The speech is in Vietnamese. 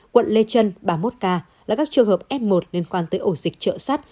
quận lê trân ba mươi một ca là các trường hợp f một liên quan tới ổ dịch trợ sắt